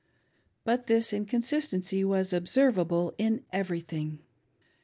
But this inconsistency was observable in everything.